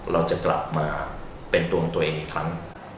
เราจะกลับมาเป็นตัวของตัวเองอีกครั้ง